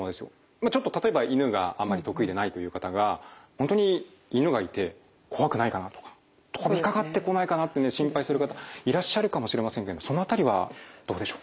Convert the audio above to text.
まあちょっと例えば犬があんまり得意でないという方が本当に犬がいて怖くないかな？とか飛びかかってこないかなってね心配する方いらっしゃるかもしれませんけどその辺りはどうでしょう？